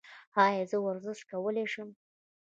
ایا زه ورزش کولی شم؟